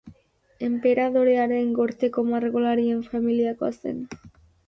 Enperadorearen gorteko margolarien familiakoa zen.